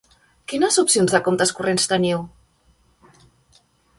Quines opcions de comptes corrents teniu?